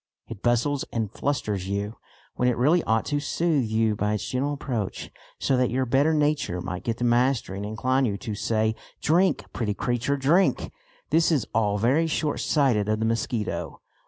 It bustles and flusters you, when it really ought to soothe you by its gentle approach, so that your better nature might get the mastery and incline you to say "drink, pretty creature, drink." This is all very shortsighted of the mosquito.